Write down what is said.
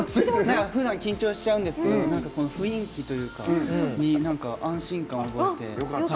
ふだん緊張しちゃうんですけど雰囲気に安心感を覚えて。